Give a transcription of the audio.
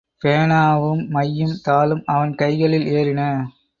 பேனாவும், மையும், தாளும் அவன் கைகளில் ஏறின.